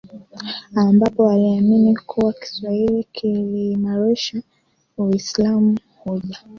ambapo waliamini kuwa kiswahili kiliimarisha uislamu hoja